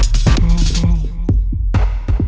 tolong kamu jauhi aku